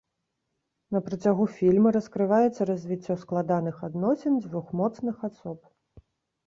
На працягу фільма раскрываецца развіццё складаных адносін дзвюх моцных асоб.